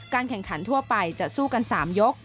แข่งขันทั่วไปจะสู้กัน๓ยก